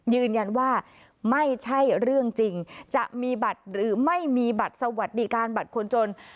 ยืนยันว่าไม่ใช่เรื่องจริงจะมีบัตรหรือไม่มีบัตรสวัสดิการบัตรคนจน